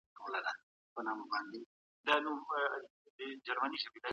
ما واورېدل چی د نفوس زیاتوالی پر اقتصاد فشار راوړي.